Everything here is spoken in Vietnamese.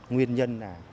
nguyên nhân là